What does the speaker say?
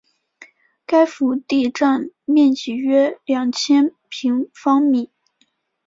该府第占地面积约两千平方米。